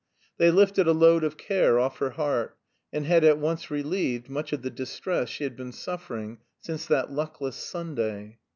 They lifted a load of care off her heart, and had at once relieved much of the distress she had been suffering since that luckless Sunday.